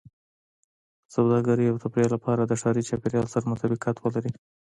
سوداګرۍ او تفریح باید د ښاري چاپېریال سره مطابقت ولري.